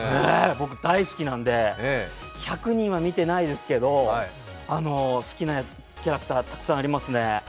僕大好きなんで、１００人は見てないですけど、好きなキャラクターたくさんありますね。